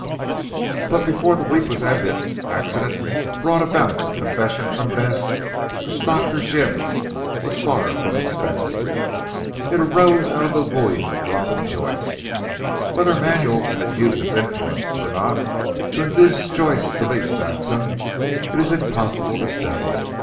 But before the week was ended, accident brought about a confession from Bess which Dr. Jim was far from expecting. It arose out of the wooing of Robin Joyce. Whether Manuel had used his influence or not to induce Joyce to leave Saxham, it is impossible to say.